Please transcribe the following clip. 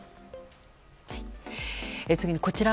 次に、こちら。